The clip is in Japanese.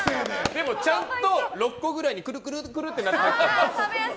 でも、ちゃんと６個くらいにくるくるってなってたの。